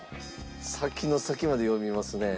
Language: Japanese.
先の先まで読みますね。